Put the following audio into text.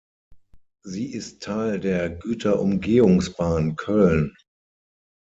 Sie ist Teil der Güterumgehungsbahn Köln.